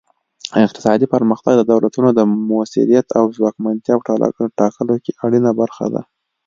اقتصادي پرمختګ د دولتونو د موثریت او ځواکمنتیا په ټاکلو کې اړینه برخه ده